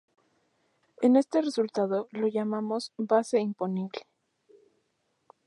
A este resultado lo llamamos "base imponible".